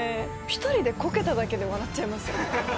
１人でこけただけで笑っちゃいますよ。